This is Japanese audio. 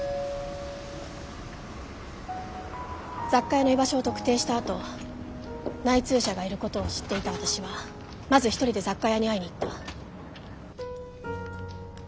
雑貨屋の場所を特定したあと内通者がいることを知っていた私はまず１人で雑貨屋に会いに行った。